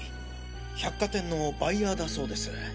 百貨店のバイヤーだそうです。